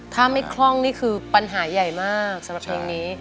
ถ้าไม่คล่องนี่คือปัญหาใหญ่มากสำหรับเพลงนี้